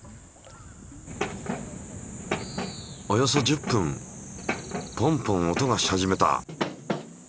およそ１０分ポンポン音がし始めた！